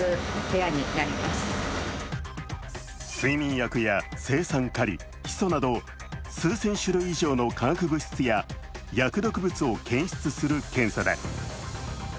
睡眠薬や青酸カリ、ヒ素など数千種類以上の化学物質や薬毒物を検出する検査だ。